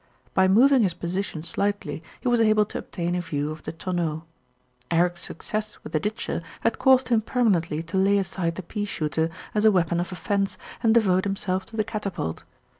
By moving his position slightly, he was able to obtain a view of the tonneau. Eric's success with the ditcher had caused him perma nently to lay aside the pea shooter as a weapon of offence, and devote himself to the catapult.